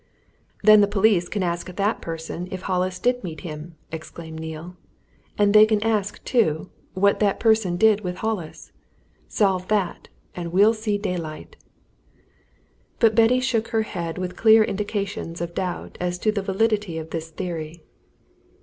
"Then the police can ask that person if Hollis did meet him!" exclaimed Neale. "And they can ask, too, what that person did with Hollis. Solve that, and we'll see daylight!" But Betty shook her head with clear indications of doubt as to the validity of this theory.